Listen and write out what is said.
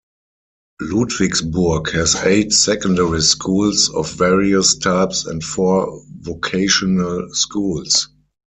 Ludwigsburg has eight secondary schools of various types and four vocational schools.